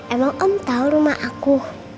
emang om tahu rumah aku